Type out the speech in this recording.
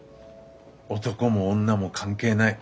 男も女も関係ない。